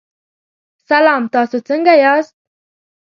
سلام، تاسو څنګه یاست؟